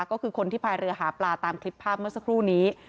ก็คือคนที่พายเรือหาปลาตามคลิปภาพเมื่อสักครู่นี้